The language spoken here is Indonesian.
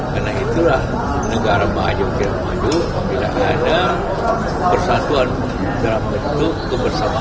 karena itulah negara maju tidak ada persatuan dalam bentuk kebersamaan